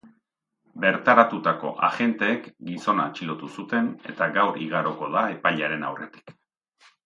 Bertaratutako agenteek gizona atxilotu zuten eta gaur igaroko da epailearen aurretik.